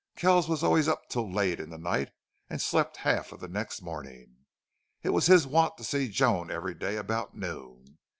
Kells was always up till late in the night and slept half of the next morning. It was his wont to see Joan every day about noon.